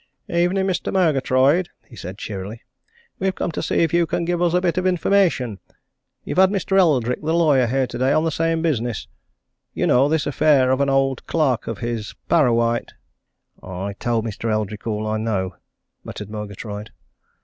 "Evening, Mr. Murgatroyd," he said cheerily. "We've come to see if you can give us a bit of information. You've had Mr. Eldrick, the lawyer, here today on the same business. You know this affair of an old clerk of his Parrawhite?" "I told Mr. Eldrick all I know," muttered Murgatroyd.